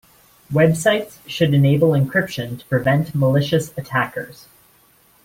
Websites should enable encryption to prevent malicious attackers.